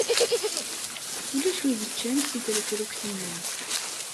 Ulac win i yeččan si trekrukt-nni.